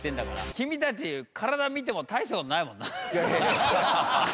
君たち体見ても大した事ないもんな。